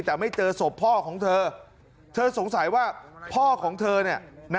แต่ไม่เจอศพพ่อของเธอเธอสงสัยว่าพ่อของเธอเนี่ยนะ